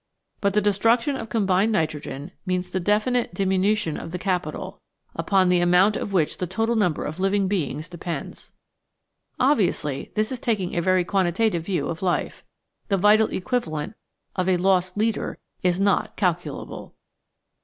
But the destruction of combined nitrogen means the definite diminution of the capital, upon the amount of which the total number of living beings depends." Obviously this is taking a very quantitative view of life. The vital equivalent of a lost leader is not calculable!